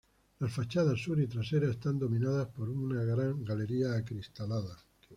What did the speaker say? Las fachadas sur y trasera están dominadas por una gran galería acristalada.